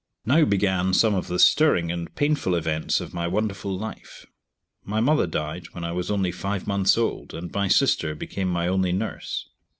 Now began some of the stirring and painful events of my wonderful life. My mother died when I was only five months old, and my sister became my only nurse.